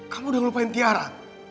kamu udah ngelupain tiara